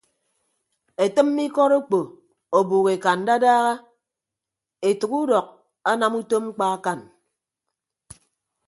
Etịmme ikọt okpo ọbuuk eka ndadaha etәk udọk anam utom mkpa akañ.